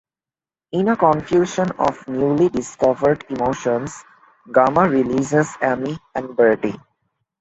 In a confusion of newly discovered emotions, Gamma releases Amy and Birdie.